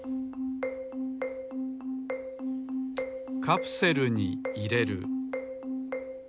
カプセルにいれる。